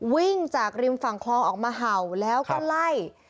วิ่งจากริมฝั่งคลองออกมาเห่าแล้วก็ไล่